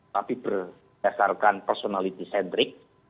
tapi berdasarkan personality centric